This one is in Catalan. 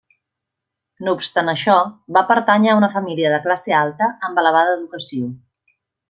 No obstant això, va pertànyer a una família de classe alta, amb elevada educació.